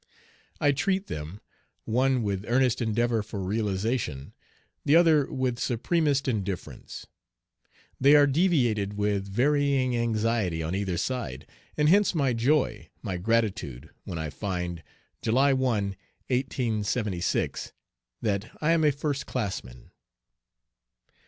I treat them, one with earnest endeavor for realization, the other with supremest indifference. They are deviated with varying anxiety on either side, and hence my joy, my gratitude, when I find, July 1, 1876, that I am a first classman.